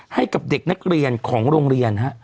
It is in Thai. ให้กับเด็กนักเรียนของโรงเรียน